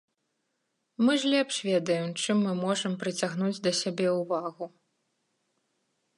Мы ж лепш ведаем, чым мы можам прыцягнуць да сябе ўвагу.